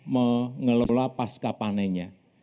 mengelola pasca panenya